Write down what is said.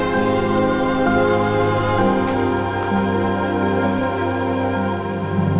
jangan lupa like smash